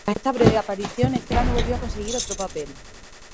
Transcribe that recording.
Tras esta breve aparición, Estela no volvió a conseguir otro papel.